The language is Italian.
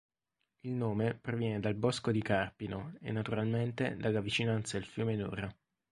Il nome proviene dal bosco di carpino, e naturalmente dalla vicinanza al fiume Nora.